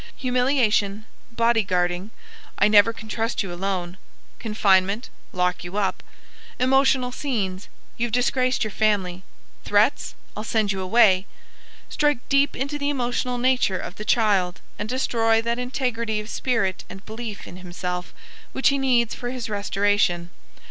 Humiliation, body guarding (I never can trust you alone), confinement (lock you up), emotional scenes (you've disgraced your family), threats (I'll send you away) strike deep into the emotional nature of the child and destroy that integrity of spirit and belief in himself which he needs for his restoration.